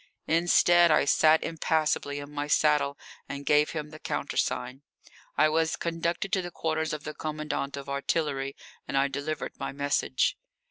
Instead, I sat impassively in my saddle and gave him the countersign. I was conducted to the quarters of the commandant of artillery and I delivered my message.